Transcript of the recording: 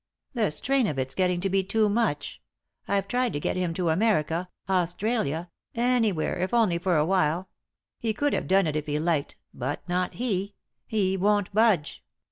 The strain of it's getting to be too much. I've tried to get him to America, Australia, anywhere, if only for a while ; he could have done it if he liked; but not he; he won't budge.